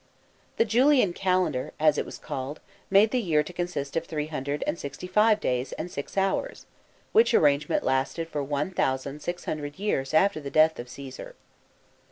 The Julian calendar, as it was called, made the year to consist of three hundred and nxty five days and six hours ; which arrangement lasted for one thousand six hundred years after the death of Caesar.